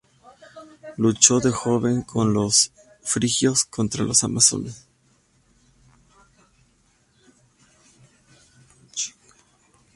Luchó de joven con los frigios contra las Amazonas.